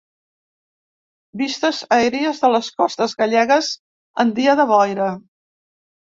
Vistes aèries de les costes gallegues en dia de boira.